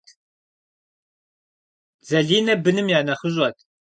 Залинэ быным я нэхъыщӏэт.